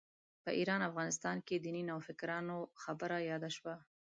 په ایران افغانستان کې دیني نوفکرانو خبره یاده شوه.